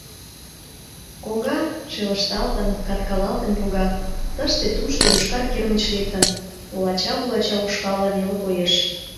Коҥга шелышталтын, каткалалтын йога, тыште-тушто йошкар кермыч лектын, олача-вулача ушкалла веле коеш.